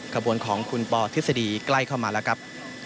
ขบวนของคุณปอทฤษฎีใกล้เข้ามาแล้วครับ